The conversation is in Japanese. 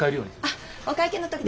あっお会計の時で。